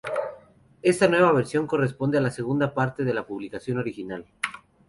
Esta nueva versión corresponde a la segunda parte de la publicación original.